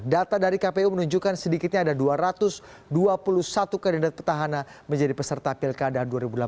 data dari kpu menunjukkan sedikitnya ada dua ratus dua puluh satu kandidat petahana menjadi peserta pilkada dua ribu delapan belas